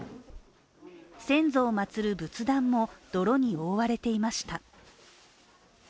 先祖を祭る仏壇も、泥に覆われていました。